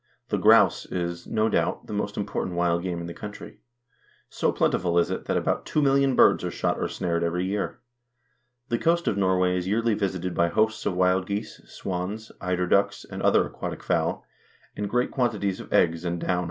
The grouse is, no doubt, the most important wild game in the country. So plentiful is it that about two million birds are shot or snared every year. The coast of Norway is yearly visited by hosts of wild geese, swans, eider ducks, and other aquatic fowl, and great quantities of eggs and down are gathered.